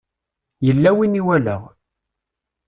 Yella win i walaɣ.